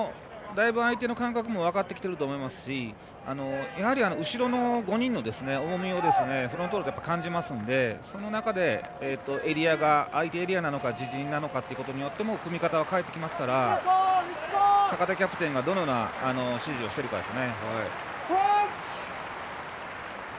だいぶ、相手の感覚も分かってきていると思いますし後ろの５人の重みをフロントローで感じますのでその中で、エリアが相手エリアなのか自陣なのかによっても組み方は変えてきますから坂手キャプテンがどう指示をしているかです。